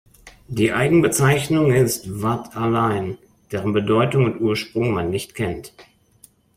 Die Eigenbezeichnung ist "vad’d’alain", deren Bedeutung und Ursprung man nicht kennt.